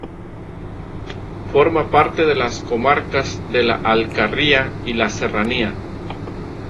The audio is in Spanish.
Forma parte de las comarcas de La Alcarria y La Serranía.